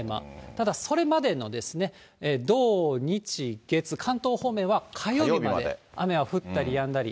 ただそれまでの土、日、月、関東方面は火曜日まで雨は降ったりやんだり。